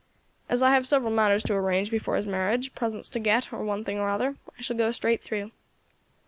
As I have several matters to arrange before his marriage, presents to get, or one thing or other, I shall go straight through."